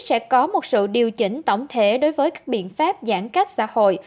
sẽ có một sự điều chỉnh tổng thể đối với các biện pháp giãn cách xã hội